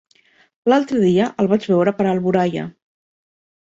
L'altre dia el vaig veure per Alboraia.